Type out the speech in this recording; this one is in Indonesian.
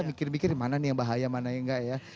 mikir mikir mana nih yang bahaya mana yang enggak ya